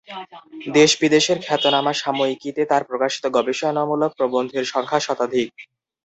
দেশ বিদেশের খ্যাতনামা সাময়িকীতে তার প্রকাশিত গবেষণামূলক প্রবন্ধের সংখ্যা শতাধিক।